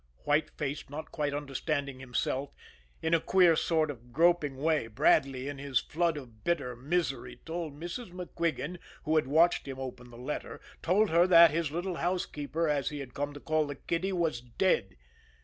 White faced, not quite understanding himself, in a queer sort of groping way, Bradley, in his flood of bitter misery, told Mrs. MacQuigan, who had watched him open the letter told her that his little housekeeper, as he had come to call the kiddie, was dead.